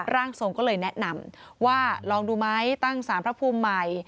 ร่างทรงก็เลยแนะนำว่าลองดูไหมตั้งสารพระภูมิใหม่